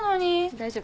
大丈夫。